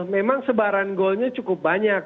memang sebaran golnya cukup banyak